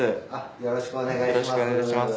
よろしくお願いします。